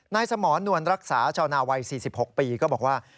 นายสมรรค์นวรรักษาชาวนาวัย๔๖ปีบอกว่า